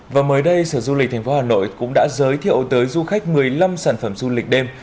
và mới đây sở du lịch tp hà nội cũng đã giới thiệu tới du khách một mươi năm sản phẩm du lịch đêm